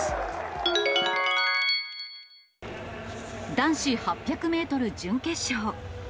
男子８００メートル準決勝。